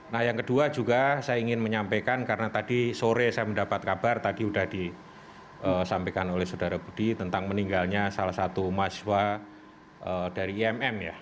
nah yang kedua juga saya ingin menyampaikan karena tadi sore saya mendapat kabar tadi sudah disampaikan oleh saudara budi tentang meninggalnya salah satu mahasiswa dari imm ya